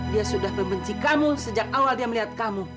dia sudah membenci kamu sejak awal dia melihat kamu